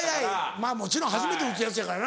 まぁもちろん初めて打つやつやからな。